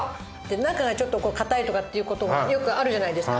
中がちょっとこう硬いとかっていう事がよくあるじゃないですか。